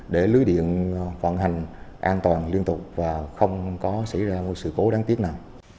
để lưới điện vận hành an toàn liên tục và không có xảy ra một sự cố đáng tiếc nào